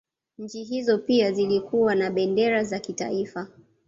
Nchi hizo pia zilikuwa na bendera za kitaifa